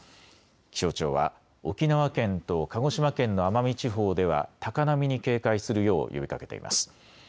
気象庁は沖縄県と鹿児島県の奄美地方では高波に警戒するよう呼びかけています。